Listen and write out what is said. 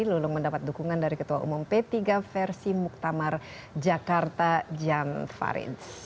lulung mendapat dukungan dari ketua umum p tiga versi muktamar jakarta jan farid